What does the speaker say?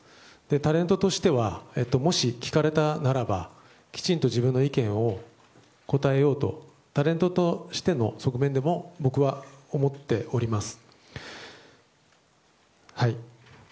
タレントとしてはもし、聞かれたならばきちんと自分の意見を答えようとタレントとしての側面でも僕はそう思っております。